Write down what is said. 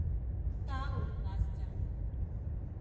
Тау, Настя.